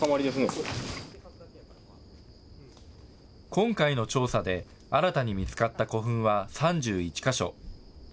今回の調査で、新たに見つかった古墳は３１か所。